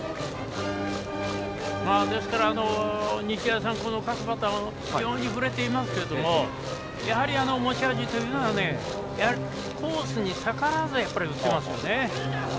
ですから日大三高の各バッター非常に振れていますけどやはり持ち味というのはコースに逆らわず打ちますよね。